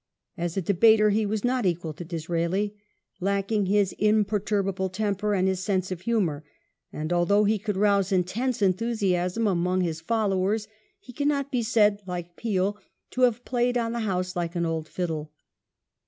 As a debater he was not equal to DisraeH, lacking his imperturbable temper and his sense of humour ; and although he could rouse intense enthusiasm among his folio wei s, he cannot be said, like Peel, to have " played on the House like an old fiddle